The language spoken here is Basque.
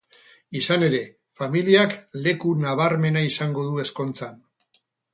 Izan ere, familiak leku nabarmena izango du ezkontzan.